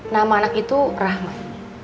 nama anak itu rahmat